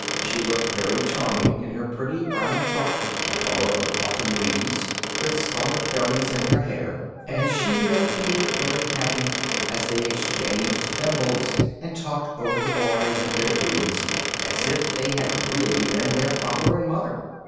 She looked very charming in her pretty brown frock the colour of autumn leaves, with scarlet berries in her hair, and she made Peter very happy as they exchanged thimbles and talked over the boys and their doings as if they had really been their father and mother.